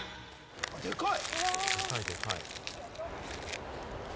でかい！